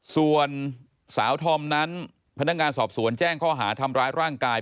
ส่วนสาวธอมนั้นพนักงานสอบสวนแจ้งข้อหาทำร้ายร่างกาย